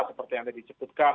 seperti yang tadi sebutkan